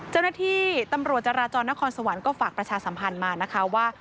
เจ้าหน้าที่ตำรวจจราจรนครสวรรค์ก็ฝากประชาสัมพันธ์มานะคะว่า